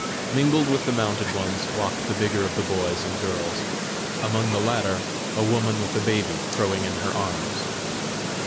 Mingled with the mounted ones walked the bigger of the boys and girls, among the latter a woman with a baby crowing in her arms.